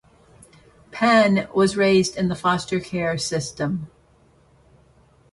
Penn was raised in the foster care system.